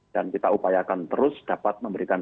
dan kita upayakan terus dapat memberikan